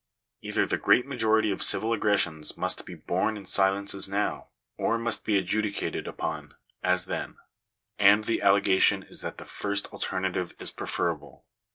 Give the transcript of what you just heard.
Either the great majority of civil aggressions must be borne in silence as now, or must be adjudicated upon as then ; and the allegation is that the first alternative is preferable.